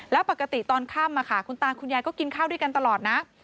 แล้วปกติตอนค่ำคุณตาคุณยายก็กินข้าวด้วยกันตลอดนะ